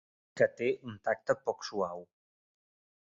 Que té un tacte poc suau.